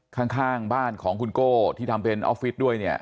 ข้างบ้านของขุนโก้ที่ทำเป็นออฟฟิสด้วย